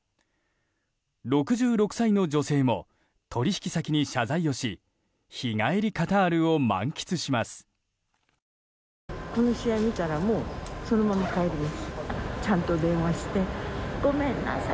６６歳の女性も取引先に謝罪をし日帰りカタールを満喫します。